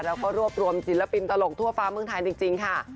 แล้วก็รวบรวมศิลปินตลกทั่วฟ้าเมืองไทยจริงค่ะ